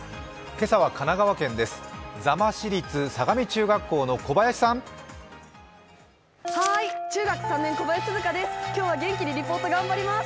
今朝は神奈川県です。